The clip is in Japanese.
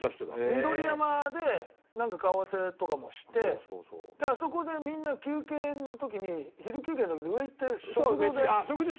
緑山でなんか顔合わせとかもしてあそこでみんな休憩の時に昼休憩の時に上行って食堂で。